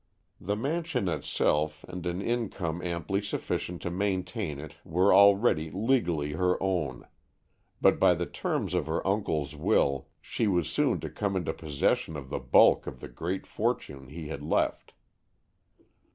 The mansion itself and an income amply sufficient to maintain it were already legally her own, but by the terms of her uncle's will she was soon to come into possession of the bulk of the great fortune he had left.